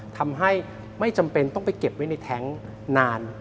ทำให้ไม่จำเป็นต้องไปเก็บไว้ในแท้งนาน